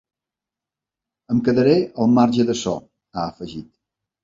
Em quedaré al marge d’això, ha afegit.